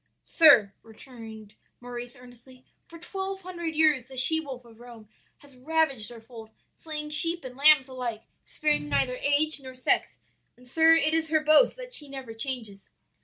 "'Sir,' returned Maurice earnestly, 'for twelve hundred years the she wolf of Rome has ravaged our fold, slaying sheep and lambs alike sparing neither age nor sex; and, sir, it is her boast that she never changes.